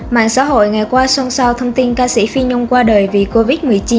mạng xã hội ngày qua song song thông tin ca sĩ phi nhung qua đời vì covid một mươi chín